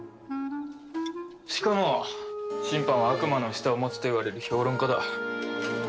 しかも審判は悪魔の舌を持つといわれる評論家だ。